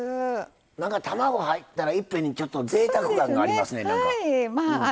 なんか卵入ったらいっぺんにぜいたく感がありますね。